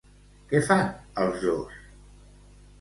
Què fan els dos?